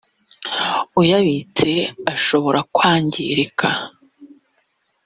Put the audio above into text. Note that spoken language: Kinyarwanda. uyabitse ashobora kwangirika